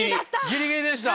ギリギリだった。